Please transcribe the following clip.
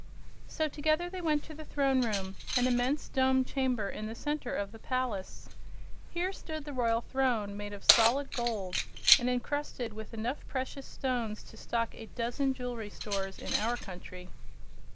So together they went to the Throne Room, an immense domed chamber in the center of the palace. Here stood the royal throne, made of solid gold and encrusted with enough precious stones to stock a dozen jewelry stores in our country.